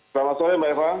selamat sore mbak eva